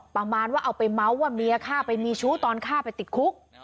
ประมาณว่าเอาไปเมาส์ว่าเมียฆ่าไปมีชู้ตอนฆ่าไปติดคุก